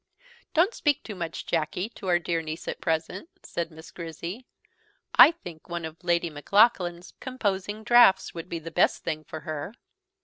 "Don't, speak too much, Jacky, to our dear niece at present," said Miss Grizzy; "I think one of Lady Maclaughlan's composing draughts would be the best thing for her."